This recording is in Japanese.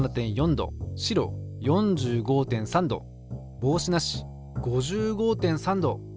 帽子なし５５．３℃！